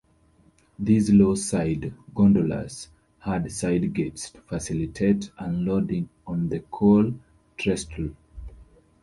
These lowside gondolas had side gates to facilitate unloading on the coal trestle.